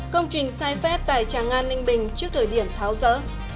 công trình sai phép tại tràng an ninh bình trước thời điểm tháo rỡ